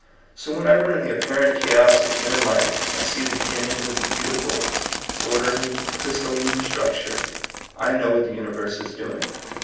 So whenever, in the apparent chaos of human life, I see the beginnings of the beautiful, orderly, crjrstalline structure, I know what the uni verse is doing.